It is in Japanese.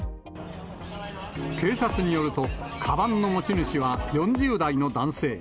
警察によると、かばんの持ち主は４０代の男性。